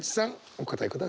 お答えください。